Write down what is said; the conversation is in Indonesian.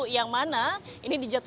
yang mana ini dikaitkan